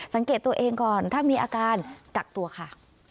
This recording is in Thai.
สังเกตตัวเองก่อนถ้ามีอาการกักตัวค่ะ